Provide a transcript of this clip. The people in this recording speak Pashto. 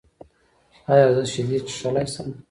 ایا زه شیدې څښلی شم؟